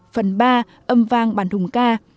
phần ba âm vang bản thùng ca